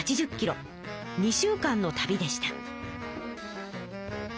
２週間の旅でした。